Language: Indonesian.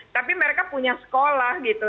tapi mereka punya sekolah gitu